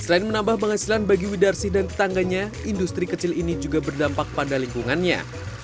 selain menambah penghasilan bagi widarsi dan tetangganya industri kecil ini juga berdampak pada lingkungannya